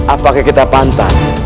apakah kita pantas